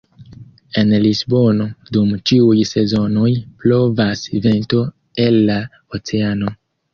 En Lisbono dum ĉiuj sezonoj blovas vento el la oceano.